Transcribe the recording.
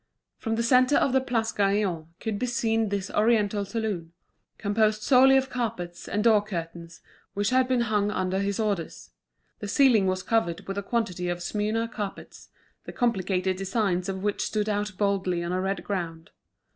From the centre of the Place Gaillon could be seen this oriental saloon, composed solely of carpets and door curtains which had been hung under his orders. The ceiling was covered with a quantity of Smyrna carpets, the complicated designs of which stood out boldly on a red ground.